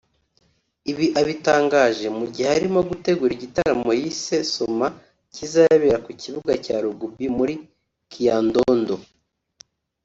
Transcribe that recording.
Ibi abitangaje mu gihe arimo gutegura igitaramo yise ‘Soma’ kizabera ku kibuga cya Rugby muri Kyadondo